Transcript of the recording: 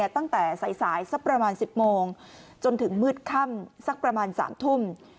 ตั้งแต่สายสักประมาณ๑๐โมงจนถึงมืดค่ำสักประมาณ๓ทุ่ม